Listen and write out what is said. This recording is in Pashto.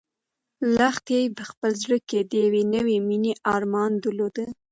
لښتې په خپل زړه کې د یوې نوې مېنې ارمان درلود.